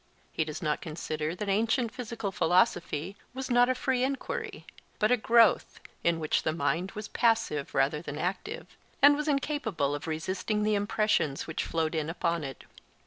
He does not consider that ancient physical philosophy was not a free enquiry, but a growth, in which the mind was passive rather than active, and was incapable of resisting the impressions which flowed in upon it.